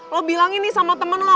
lo bilang ini sama temen lo